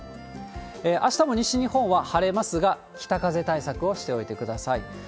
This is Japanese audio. あしたも西日本は晴れますが、北風対策をしておいてください。